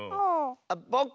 あっぼく？